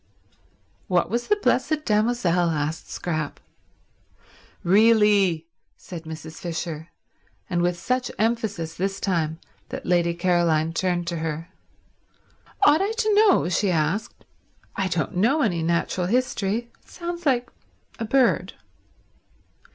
"What was the Blessed Damozel?" asked Scrap. "Really—" said Mrs. Fisher; and with such emphasis this time that Lady Caroline turned to her. "Ought I to know?" she asked. "I don't know any natural history. It sounds like a bird."